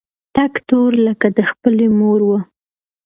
تک تور لکه د خپلې مور و.